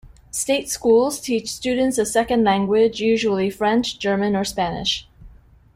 State schools teach students a second language, usually French, German or Spanish.